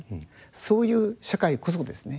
そういう社会こそですね